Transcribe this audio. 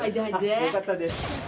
よかったです